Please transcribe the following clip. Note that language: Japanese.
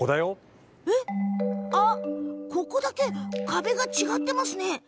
ここだけ壁が違ってますね。